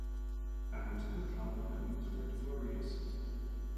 Fans of the club are known as Red Warriors.